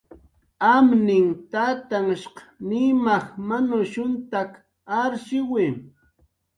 Amninh tatanhshq Nimaj manushuntak arshiwi